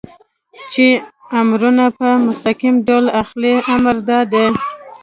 چې امرونه په مستقیم ډول اخلئ، امر دا دی.